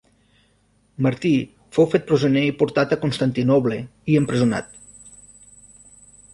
Martí fou fet presoner i portat a Constantinoble i empresonat.